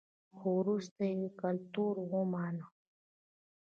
خو وروسته یې کلتور ومانه